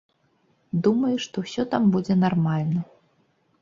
Думаю, што ўсё там будзе нармальна.